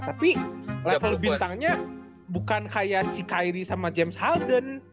tapi level bintangnya bukan kayak si kairi sama james halldon